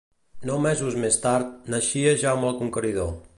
Nou mesos més tard, naixia Jaume el Conqueridor.